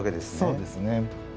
そうですね。